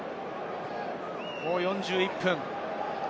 もう４１分。